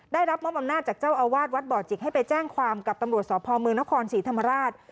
ได้รับมอบอำนาจจากเจ้าอาวาสวัดบ่อจิกให้ไปแจ้งความกับตำรวจสพมนครศรีธรรมราช